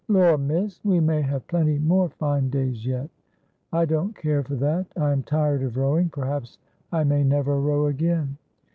' Lor, miss, we may have plenty more fine days yet.' ' I don't care for that. I am tired of rowing. Perhaps I may never row again.'